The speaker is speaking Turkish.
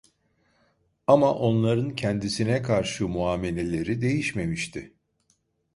Ama onların kendisine karşı muameleleri değişmemişti.